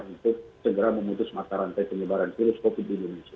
untuk segera memutus mata rantai penyebaran virus covid di indonesia